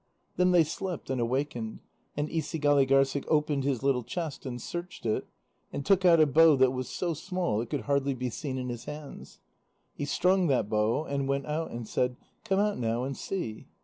Then they slept, and awakened, and Isigâligârssik opened his little chest and searched it, and took out a bow that was so small it could hardly be seen in his hands. He strung that bow, and went out, and said: "Come out now and see."